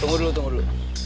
tunggu dulu tunggu dulu